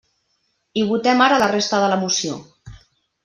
I votem ara la resta de la moció.